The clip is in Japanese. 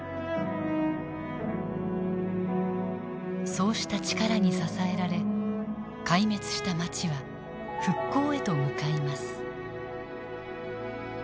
そうした力に支えられ壊滅した街は復興へと向かいます。